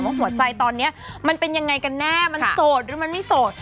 หัวใจตอนนี้มันเป็นยังไงกันแน่มันโสดหรือมันไม่โสด